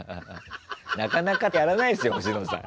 なかなかやらないですよ星野さん。